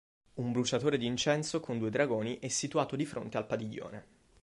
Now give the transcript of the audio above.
Un bruciatore di incenso con due dragoni è situato di fronte al padiglione.